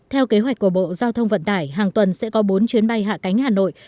theo kế hoạch của bộ giao thông vận tải hàng tuần sẽ có bốn chuyến bay hạ cánh hà nội